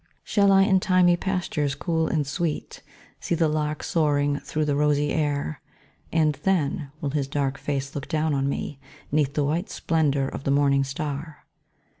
Shall I in thymy pastures cool and sweet See the lark soaring through the rosy air? Ah, then, will his dark face look down on me, 'Neath the white splendor of the morning star.